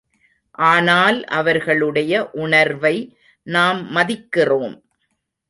ஆனால் அவர்களுடைய உணர்வை நாம் மதிக்கின்றோம்!